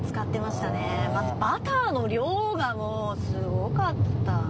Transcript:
まずバターの量がもうスゴかった！